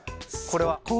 これは。